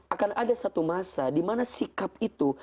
akan ada satu masa dimana sikap itu